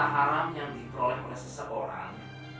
haram yang diperoleh oleh seseorang